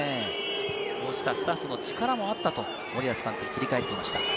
スタッフの力もあったと森保監督、振り返っていました。